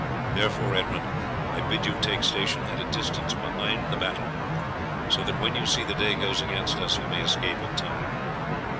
Therefore, Edmund, I bid you take station at a distance behind the battle, so that when you see the day goes against us you may escape in time.